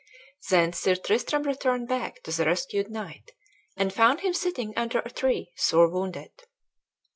Then Sir Tristram returned back to the rescued knight, and found him sitting under a tree, sore wounded.